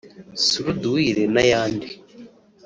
suruduwile n’ayandi